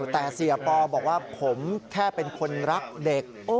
แต่เสียปอบอกว่าผมแค่เป็นคนรักเด็ก